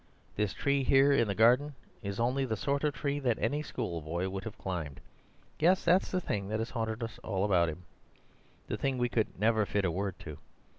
This tree here in the garden is only the sort of tree that any schoolboy would have climbed. Yes, that's the thing that has haunted us all about him, the thing we could never fit a word to.